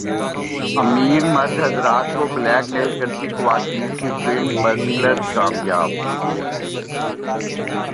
امیر مرد حضرات کو بلیک میل کرتی خواتین کی فلم ہسلرز کامیاب